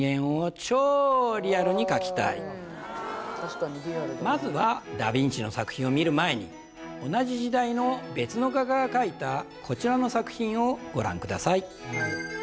１つ目はまずはダ・ヴィンチの作品を見る前に同じ時代の別の画家が描いたこちらの作品をご覧ください